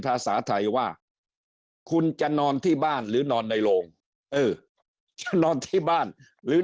ภาษาไทยว่าคุณจะนอนที่บ้านหรือนอนในโรงเออจะนอนที่บ้านหรือ